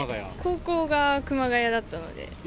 高校が熊谷だったので。